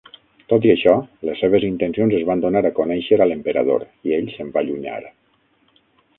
Tot i això, les seves intencions es van donar a conèixer a l'emperador i ell se'n va allunyar.